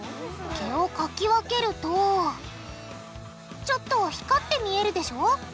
毛をかき分けるとちょっと光って見えるでしょ。